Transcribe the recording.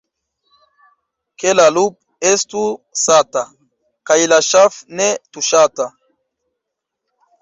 Ke la lup' estu sata, kaj la ŝaf' ne tuŝata.